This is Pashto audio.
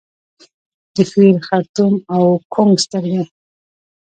د فیل خړتوم او کونګ سترګي